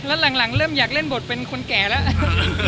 แล้วหลังเริ่มอยากเล่นบทเป็นคนแก่แล้ว